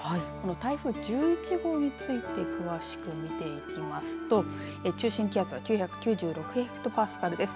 台風１１号について詳しく見ていきますと中心気圧は９９６ヘクトパスカルです。